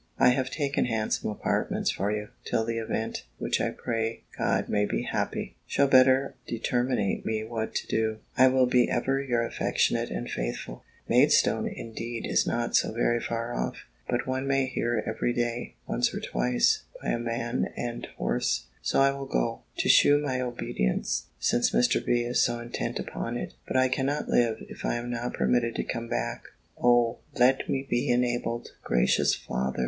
I have taken handsome apartments for you, till the event, which I pray God may be happy, shall better determinate me what to do. I will be ever your affectionate and faithful." Maidstone indeed is not so very far off, but one may hear every day, once or twice, by a man and horse; so I will go, to shew my obedience, since Mr. B. is so intent upon it But I cannot live, if I am not permitted to come back Oh! let me be enabled, gracious Father!